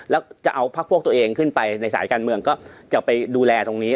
แล้วจะเอาพักพวกตัวเองขึ้นไปในสายการเมืองก็จะไปดูแลตรงนี้